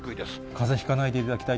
かぜひかないでいただきたい